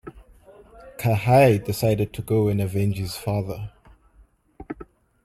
Kaha'i decided to go and avenge his father.